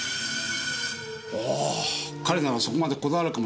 ああ彼ならそこまでこだわるかもしれませんね。